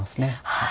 はい。